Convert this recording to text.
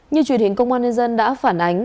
như truyền hình công an nhân dân đã phản ánh